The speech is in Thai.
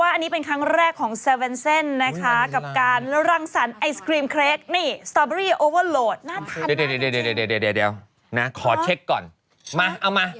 อร่อยเต็มคำถึงใจกับสโตบ์อีรี่นะครับ